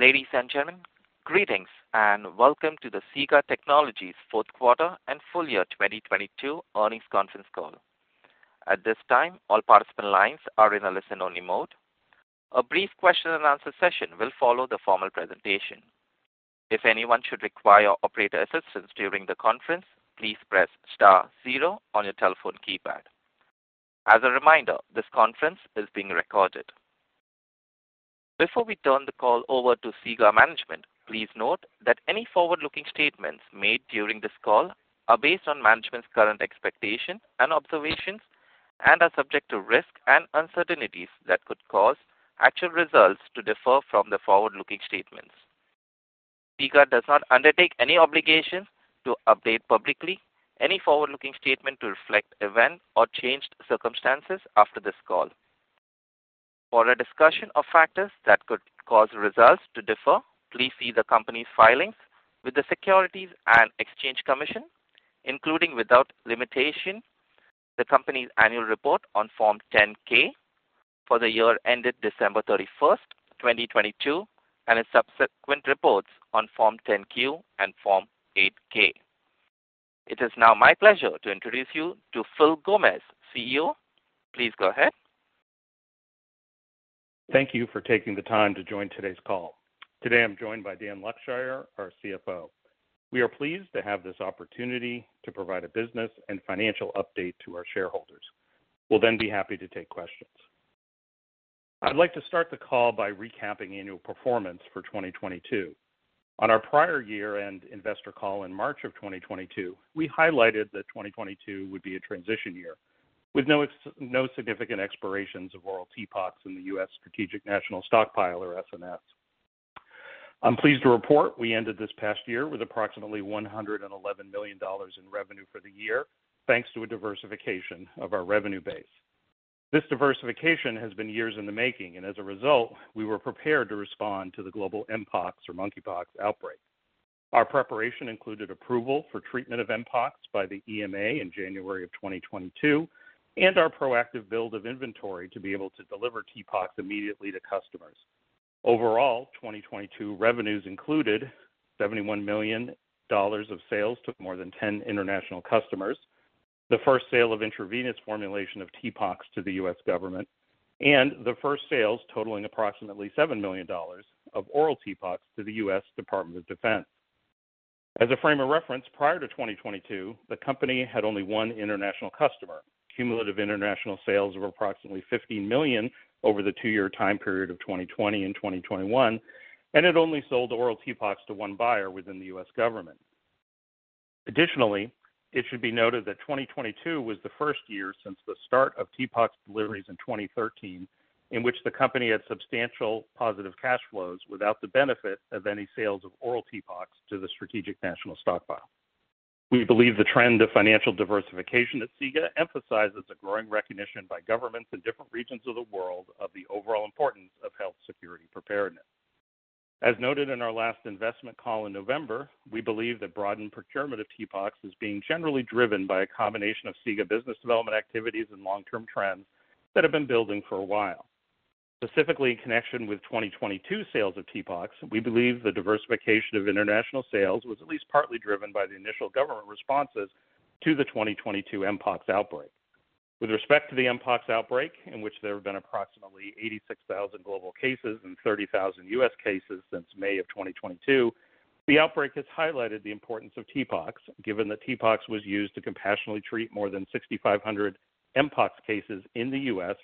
Ladies and gentlemen, greetings and welcome to the SIGA Technologies' Fourth Quarter and Full Year 2022 Earnings Conference Call. At this time, all participant lines are in a listen-only mode. A brief question and answer session will follow the formal presentation. If anyone should require operator assistance during the conference, please press star zero on your telephone keypad. As a reminder, this conference is being recorded. Before we turn the call over to SIGA management, please note that any forward-looking statements made during this call are based on management's current expectations and observations and are subject to risks and uncertainties that could cause actual results to differ from the forward-looking statements. SIGA does not undertake any obligation to update publicly any forward-looking statement to reflect events or changed circumstances after this call. For a discussion of factors that could cause results to differ, please see the company's filings with the Securities and Exchange Commission, including, without limitation, the company's annual report on Form 10-K for the year ended December 31st, 2022, and its subsequent reports on Form 10-Q and Form 8-K. It is now my pleasure to introduce you to Phil Gomez, CEO. Please go ahead. Thank you for taking the time to join today's call. Today I'm joined by Dan Luckshire, our CFO. We are pleased to have this opportunity to provide a business and financial update to our shareholders. We'll be happy to take questions. I'd like to start the call by recapping annual performance for 2022. On our prior year-end investor call in March of 2022, we highlighted that 2022 would be a transition year, with no significant expirations of oral TPOXX in the U.S. Strategic National Stockpile or SNS. I'm pleased to report we ended this past year with approximately $111 million in revenue for the year, thanks to a diversification of our revenue base. This diversification has been years in the making, as a result, we were prepared to respond to the global mpox or monkeypox outbreak. Our preparation included approval for treatment of mpox by the EMA in January of 2022 and our proactive build of inventory to be able to deliver TPOXX immediately to customers. Overall, 2022 revenues included $71 million of sales to more than 10 international customers. The first sale of intravenous formulation of TPOXX to the U.S. government and the first sales totaling approximately $7 million of oral TPOXX to the U.S. Department of Defense. As a frame of reference, prior to 2022, the company had only one international customer. Cumulative international sales were approximately $50 million over the two-year time period of 2020 and 2021, and it only sold oral TPOXX to one buyer within the U.S. government. It should be noted that 2022 was the first year since the start of TPOXX deliveries in 2013 in which the company had substantial positive cash flows without the benefit of any sales of oral TPOXX to the Strategic National Stockpile. We believe the trend of financial diversification at SIGA emphasizes a growing recognition by governments in different regions of the world of the overall importance of health security preparedness. Noted in our last investment call in November, we believe that broadened procurement of TPOXX is being generally driven by a combination of SIGA business development activities and long-term trends that have been building for a while. In connection with 2022 sales of TPOXX, we believe the diversification of international sales was at least partly driven by the initial government responses to the 2022 Mpox outbreak. With respect to the mpox outbreak, in which there have been approximately 86,000 global cases and 30,000 U.S. cases since May of 2022, the outbreak has highlighted the importance of TPOXX, given that TPOXX was used to compassionately treat more than 6,500 mpox cases in the U.S.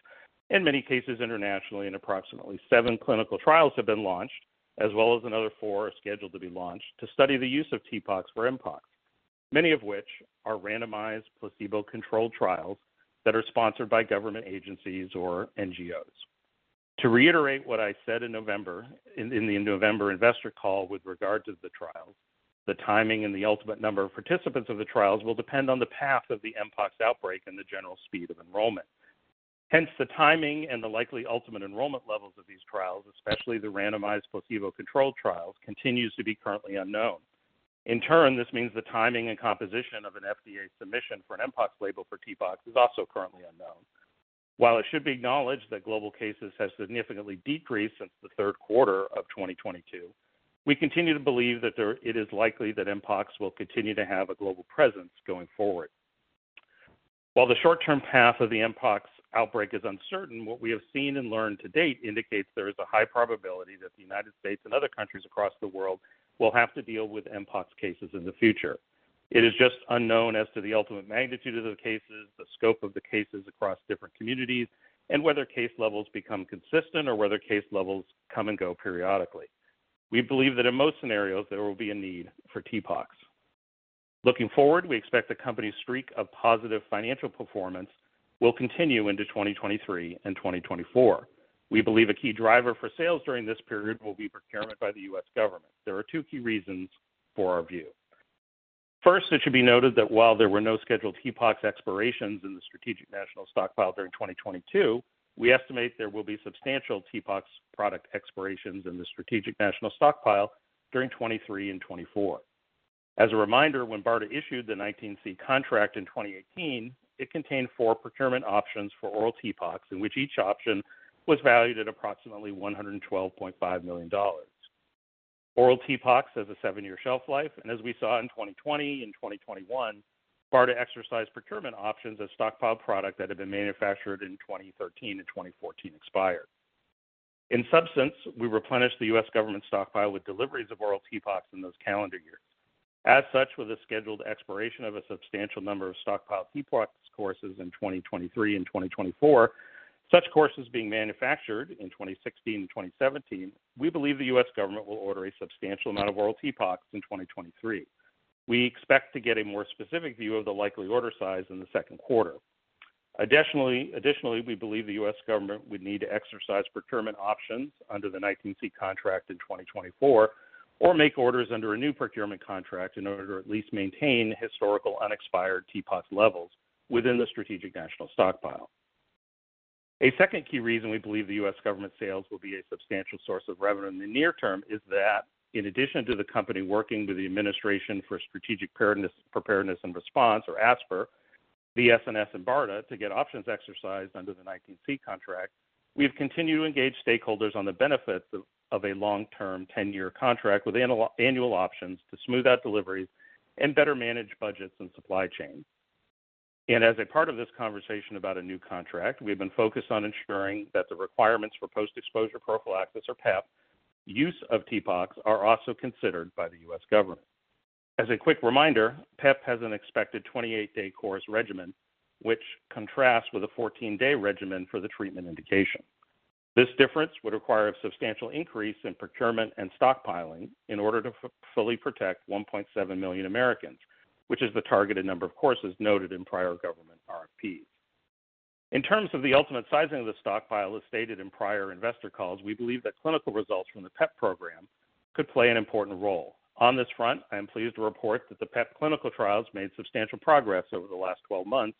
and many cases internationally. Approximately seven clinical trials have been launched, as well as another four are scheduled to be launched to study the use of TPOXX for mpox, many of which are randomized, placebo-controlled trials that are sponsored by government agencies or NGOs. To reiterate what I said in November, in the November investor call with regard to the trials, the timing and the ultimate number of participants of the trials will depend on the path of the mpox outbreak and the general speed of enrollment. The timing and the likely ultimate enrollment levels of these trials, especially the randomized placebo-controlled trials, continues to be currently unknown. In turn, this means the timing and composition of an FDA submission for an mpox label for TPOXX is also currently unknown. While it should be acknowledged that global cases have significantly decreased since the third quarter of 2022, we continue to believe that it is likely that mpox will continue to have a global presence going forward. While the short-term path of the mpox outbreak is uncertain, what we have seen and learned to date indicates there is a high probability that the United States and other countries across the world will have to deal with mpox cases in the future. It is just unknown as to the ultimate magnitude of the cases, the scope of the cases across different communities, and whether case levels become consistent or whether case levels come and go periodically. We believe that in most scenarios there will be a need for TPOXX. Looking forward, we expect the company's streak of positive financial performance will continue into 2023 and 2024. We believe a key driver for sales during this period will be procurement by the U.S. government. There are two key reasons for our view. First, it should be noted that while there were no scheduled TPOXX expirations in the Strategic National Stockpile during 2022, we estimate there will be substantial TPOXX product expirations in the Strategic National Stockpile during 2023 and 2024. As a reminder, when BARDA issued the 19C contract in 2018, it contained four procurement options for oral TPOXX, in which each option was valued at approximately $112.5 million. Oral TPOXX has a 7-year shelf life, and as we saw in 2020 and 2021, BARDA exercised procurement options as stockpiled product that had been manufactured in 2013 and 2014 expired. In substance, we replenished the U.S. government stockpile with deliveries of oral TPOXX in those calendar years. As such, with a scheduled expiration of a substantial number of stockpiled TPOXX courses in 2023 and 2024, such courses being manufactured in 2016 and 2017, we believe the U.S. government will order a substantial amount of oral TPOXX in 2023. We expect to get a more specific view of the likely order size in the second quarter. Additionally, we believe the U.S. government would need to exercise procurement options under the 19C contract in 2024 or make orders under a new procurement contract in order to at least maintain historical unexpired TPOXX levels within the Strategic National Stockpile. A second key reason we believe the U.S. government sales will be a substantial source of revenue in the near term is that in addition to the company working with the Administration for Strategic Preparedness and Response, or ASPR, the SNS and BARDA to get options exercised under the 19C contract, we have continued to engage stakeholders on the benefits of a long-term 10-year contract with annual options to smooth out deliveries and better manage budgets and supply chain. As a part of this conversation about a new contract, we have been focused on ensuring that the requirements for post-exposure prophylaxis or PEP use of TPOXX are also considered by the U.S. government. As a quick reminder, PEP has an expected 28-day course regimen, which contrasts with a 14-day regimen for the treatment indication. This difference would require a substantial increase in procurement and stockpiling in order to fully protect 1.7 million Americans, which is the targeted number of courses noted in prior government RFPs. In terms of the ultimate sizing of the stockpile, as stated in prior investor calls, we believe that clinical results from the PEP program could play an important role. On this front, I am pleased to report that the PEP clinical trials made substantial progress over the last 12 months,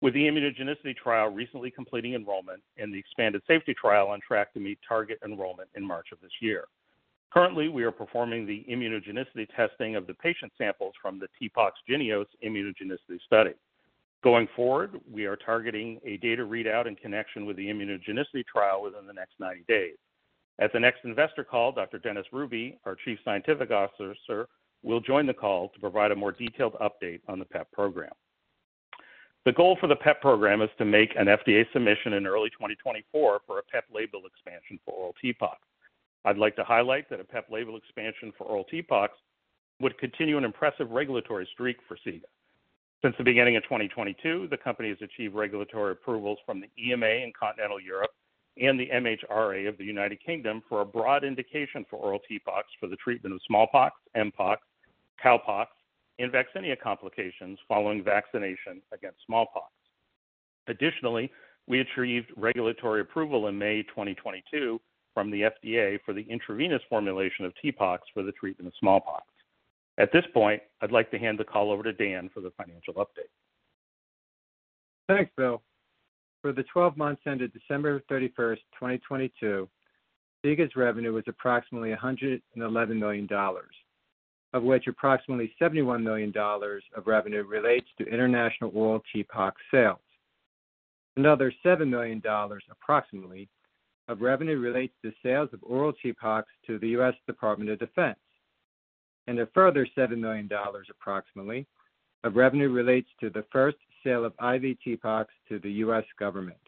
with the immunogenicity trial recently completing enrollment and the expanded safety trial on track to meet target enrollment in March of this year. Currently, we are performing the immunogenicity testing of the patient samples from the TPOXX JYNNEOS immunogenicity study. Going forward, we are targeting a data readout in connection with the immunogenicity trial within the next 90 days. At the next investor call, Dr. Dennis Hruby, our Chief Scientific Officer, will join the call to provide a more detailed update on the PEP program. The goal for the PEP program is to make an FDA submission in early 2024 for a PEP label expansion for oral TPOXX. I'd like to highlight that a PEP label expansion for oral TPOXX would continue an impressive regulatory streak for SIGA. Since the beginning of 2022, the company has achieved regulatory approvals from the EMA in continental Europe and the MHRA of the United Kingdom for a broad indication for oral TPOXX for the treatment of smallpox, mpox, cowpox, and vaccinia complications following vaccination against smallpox. Additionally, we achieved regulatory approval in May 2022 from the FDA for the intravenous formulation of TPOXX for the treatment of smallpox. At this point, I'd like to hand the call over to Dan for the financial update. Thanks, Phil. For the 12 months ended December 31st, 2022, SIGA's revenue was approximately $111 million, of which approximately $71 million of revenue relates to international oral TPOXX sales. Another $7 million approximately of revenue relates to sales of oral TPOXX to the U.S. Department of Defense. A further $7 million approximately of revenue relates to the first sale of IV TPOXX to the U.S. government.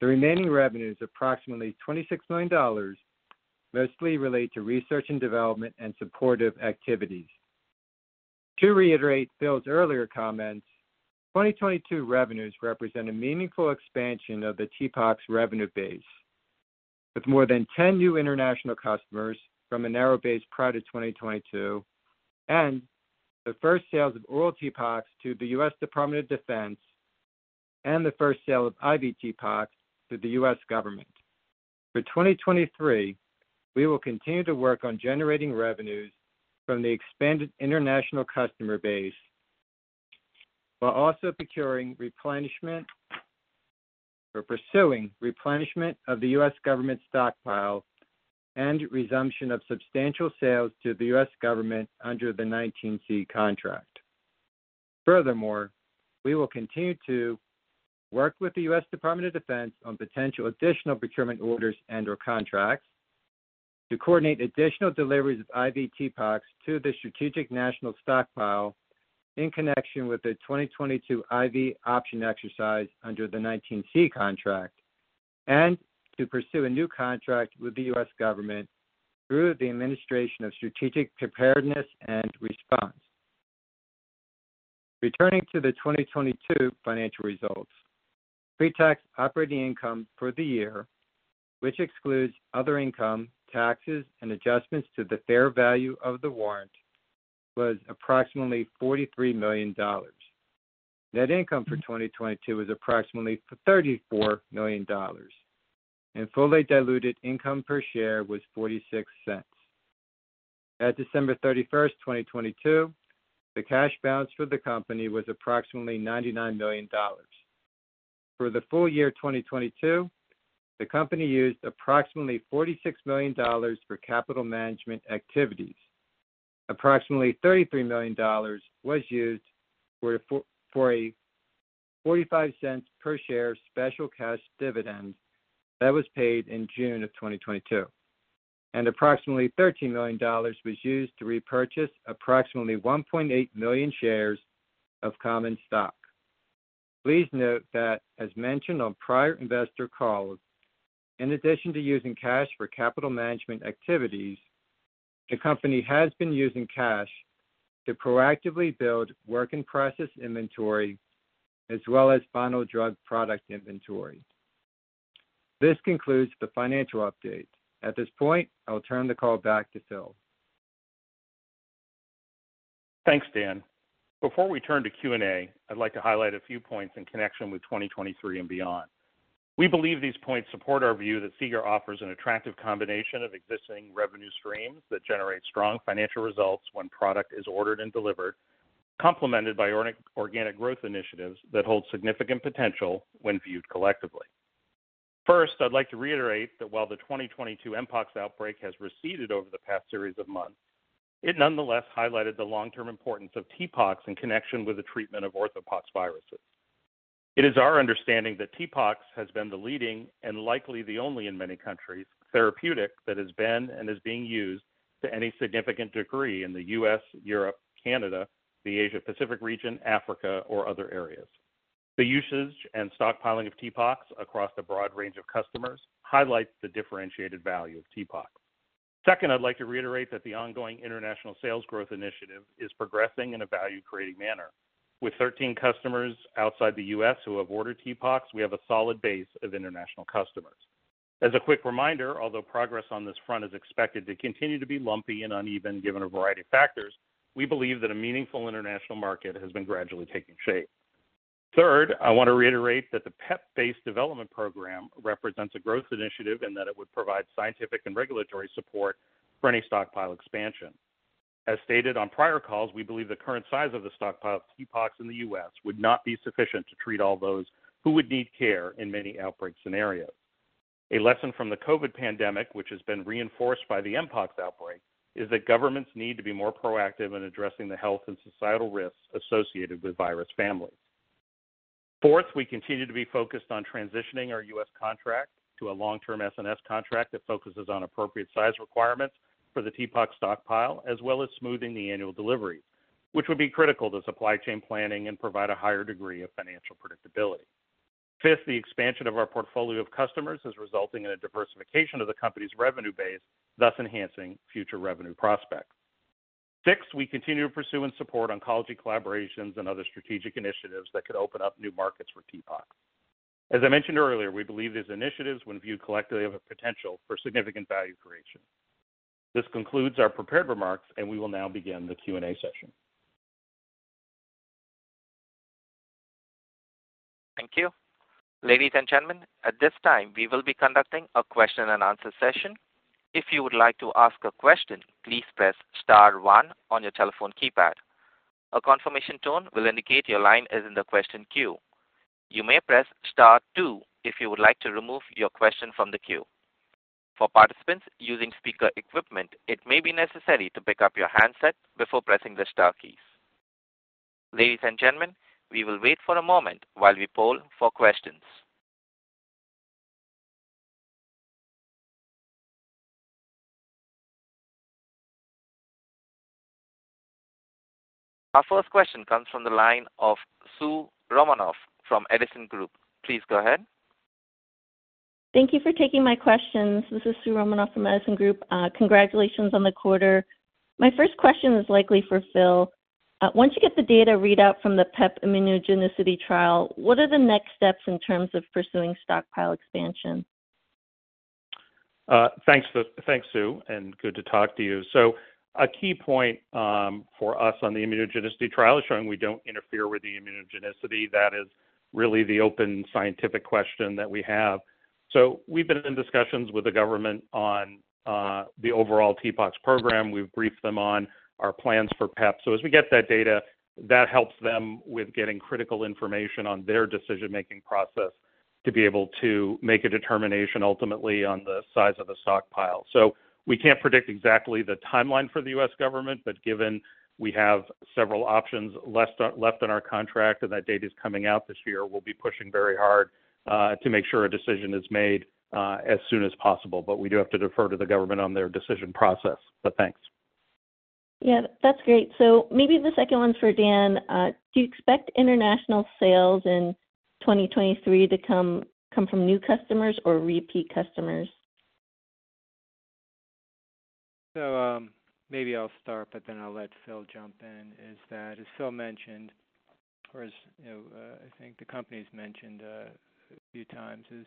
The remaining revenues, approximately $26 million, mostly relate to research and development and supportive activities. To reiterate Phil's earlier comments, 2022 revenues represent a meaningful expansion of the TPOXX revenue base, with more than 10 new international customers from a narrow base prior to 2022, and the first sales of oral TPOXX to the U.S. Department of Defense, and the first sale of IV TPOXX to the U.S. government. For 2023, we will continue to work on generating revenues from the expanded international customer base while also procuring replenishment or pursuing replenishment of the U.S. government stockpile and resumption of substantial sales to the U.S. government under the 19C Contract. Furthermore, we will continue to work with the U.S. Department of Defense on potential additional procurement orders and/or contracts to coordinate additional deliveries of IV TPOXX to the Strategic National Stockpile in connection with the 2022 IV option exercise under the 19C Contract, and to pursue a new contract with the U.S. government through the Administration for Strategic Preparedness and Response. Returning to the 2022 financial results, pre-tax operating income for the year, which excludes other income taxes and adjustments to the fair value of the warrant, was approximately $43 million. Net income for 2022 was approximately $34 million, and fully diluted income per share was $0.46. At December 31, 2022, the cash balance for the company was approximately $99 million. For the full year 2022, the company used approximately $46 million for capital management activities. Approximately $33 million was used for a $0.45 per share special cash dividend that was paid in June of 2022, and approximately $13 million was used to repurchase approximately 1.8 million shares of common stock. Please note that as mentioned on prior investor calls, in addition to using cash for capital management activities, the company has been using cash to proactively build work in process inventory as well as final drug product inventory. This concludes the financial update. At this point, I will turn the call back to Phil. Thanks, Dan. Before we turn to Q&A, I'd like to highlight a few points in connection with 2023 and beyond. We believe these points support our view that SIGA offers an attractive combination of existing revenue streams that generate strong financial results when product is ordered and delivered, complemented by organic growth initiatives that hold significant potential when viewed collectively. I'd like to reiterate that while the 2022 mpox outbreak has receded over the past series of months, it nonetheless highlighted the long-term importance of TPOXX in connection with the treatment of orthopoxviruses. It is our understanding that TPOXX has been the leading, and likely the only in many countries, therapeutic that has been and is being used to any significant degree in the U.S., Europe, Canada, the Asia Pacific region, Africa or other areas. The usage and stockpiling of TPOXX across the broad range of customers highlights the differentiated value of TPOXX. Second, I'd like to reiterate that the ongoing international sales growth initiative is progressing in a value-creating manner. With 13 customers outside the U.S. who have ordered TPOXX, we have a solid base of international customers. As a quick reminder, although progress on this front is expected to continue to be lumpy and uneven given a variety of factors, we believe that a meaningful international market has been gradually taking shape. Third, I want to reiterate that the PEP-based development program represents a growth initiative and that it would provide scientific and regulatory support for any stockpile expansion. As stated on prior calls, we believe the current size of the stockpiled TPOXX in the U.S. would not be sufficient to treat all those who would need care in many outbreak scenarios. A lesson from the COVID pandemic, which has been reinforced by the mpox outbreak, is that governments need to be more proactive in addressing the health and societal risks associated with virus families. Fourth, we continue to be focused on transitioning our U.S. contract to a long-term SNS contract that focuses on appropriate size requirements for the TPOXX stockpile, as well as smoothing the annual delivery, which would be critical to supply chain planning and provide a higher degree of financial predictability. Fifth, the expansion of our portfolio of customers is resulting in a diversification of the company's revenue base, thus enhancing future revenue prospects. Sixth, we continue to pursue and support oncology collaborations and other strategic initiatives that could open up new markets for TPOXX. As I mentioned earlier, we believe these initiatives, when viewed collectively, have a potential for significant value creation. This concludes our prepared remarks, and we will now begin the Q&A session. Thank you. Ladies and gentlemen, at this time, we will be conducting a question and answer session. If you would like to ask a question, please press star one on your telephone keypad. A confirmation tone will indicate your line is in the question queue. You may press star two if you would like to remove your question from the queue. For participants using speaker equipment, it may be necessary to pick up your handset before pressing the star keys. Ladies and gentlemen, we will wait for a moment while we poll for questions. Our first question comes from the line of Soo Romanoff from Edison Group. Please go ahead. Thank you for taking my questions. This is Soo Romanoff from Edison Group. Congratulations on the quarter. My first question is likely for Phil. Once you get the data readout from the PEP immunogenicity trial, what are the next steps in terms of pursuing stockpile expansion? Thanks, Soo, and good to talk to you. A key point for us on the immunogenicity trial is showing we don't interfere with the immunogenicity. That is really the open scientific question that we have. We've been in discussions with the government on the overall TPOXX program. We've briefed them on our plans for PEP. As we get that data, that helps them with getting critical information on their decision-making process to be able to make a determination ultimately on the size of the stockpile. We can't predict exactly the timeline for the U.S. government, but given we have several options left in our contract and that data is coming out this year, we'll be pushing very hard to make sure a decision is made as soon as possible. We do have to defer to the government on their decision process. Thanks. Yeah, that's great. maybe the second one's for Dan. Do you expect international sales in 2023 to come from new customers or repeat customers? Maybe I'll start, but then I'll let Phil jump in, is that as Phil mentioned, or as, you know, I think the company's mentioned a few times, is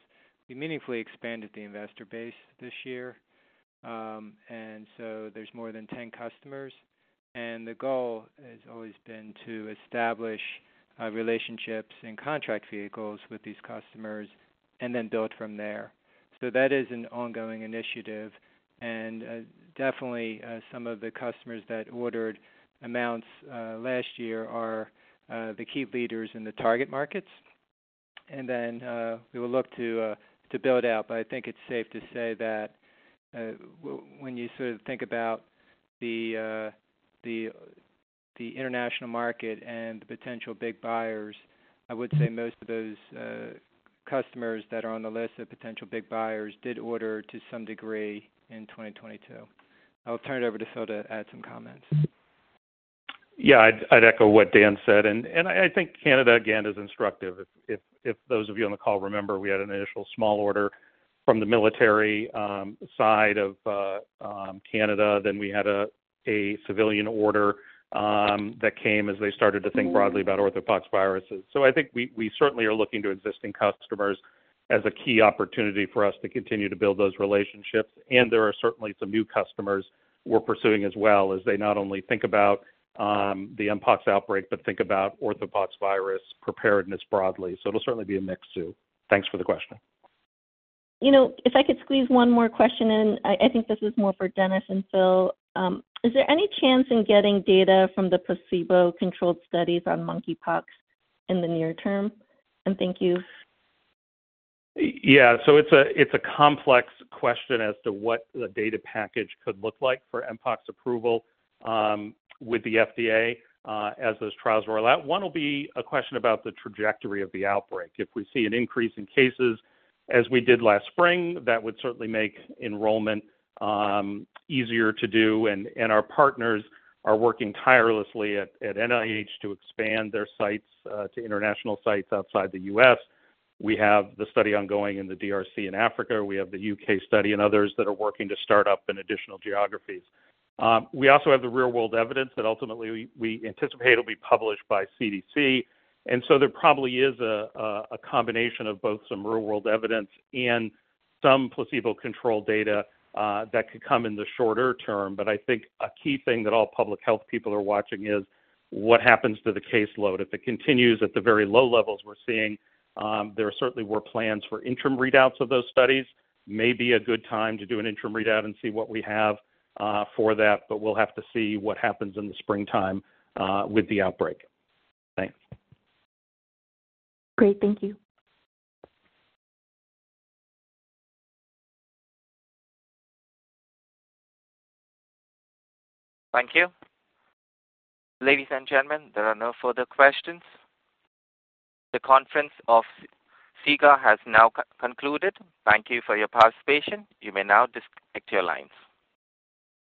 we meaningfully expanded the investor base this year. There's more than 10 customers. The goal has always been to establish relationships and contract vehicles with these customers and then build from there. That is an ongoing initiative. Definitely, some of the customers that ordered amounts last year are the key leaders in the target markets. Then, we will look to build out. I think it's safe to say that, when you sort of think about the international market and the potential big buyers, I would say most of those customers that are on the list of potential big buyers did order to some degree in 2022. I'll turn it over to Phil to add some comments. Yeah, I'd echo what Dan said. I think Canada again is instructive. If those of you on the call remember, we had an initial small order from the military side of Canada, then we had a civilian order that came as they started to think broadly about orthopoxviruses. I think we certainly are looking to existing customers as a key opportunity for us to continue to build those relationships. There are certainly some new customers we're pursuing as well as they not only think about the mpox outbreak, but think about orthopoxvirus preparedness broadly. It'll certainly be a mix, Soo. Thanks for the question. You know, if I could squeeze one more question in, I think this is more for Dennis and Phil. Is there any chance in getting data from the placebo-controlled studies on monkeypox in the near term? Thank you. Yeah. It's a complex question as to what the data package could look like for mpox approval with the FDA as those trials roll out. One will be a question about the trajectory of the outbreak. If we see an increase in cases as we did last spring, that would certainly make enrollment easier to do. Our partners are working tirelessly at NIH to expand their sites to international sites outside the U.S. We have the study ongoing in the DRC in Africa. We have the U.K. study and others that are working to start up in additional geographies. We also have the real-world evidence that ultimately we anticipate will be published by CDC. There probably is a combination of both some real-world evidence and some placebo-controlled data that could come in the shorter term. I think a key thing that all public health people are watching is what happens to the caseload. If it continues at the very low levels we're seeing, there certainly were plans for interim readouts of those studies. May be a good time to do an interim readout and see what we have for that, but we'll have to see what happens in the springtime with the outbreak. Thanks. Great. Thank you. Thank you. Ladies and gentlemen, there are no further questions. The conference of SIGA has now concluded. Thank you for your participation. You may now disconnect your lines.